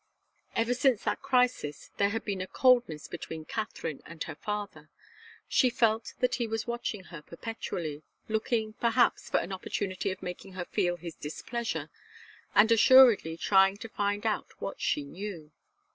Ever since that crisis there had been a coldness between Katharine and her father. She felt that he was watching her perpetually, looking, perhaps, for an opportunity of making her feel his displeasure, and assuredly trying to find out what she knew.